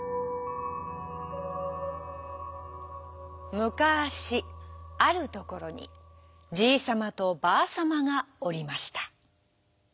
むかしあるところにじいさまとばあさまがおりました。